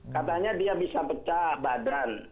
katanya dia bisa pecah badan